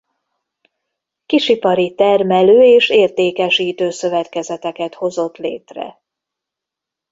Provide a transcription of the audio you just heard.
Kisipari termelő- és értékesítő szövetkezeteket hozott létre.